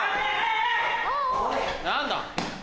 ・何だ？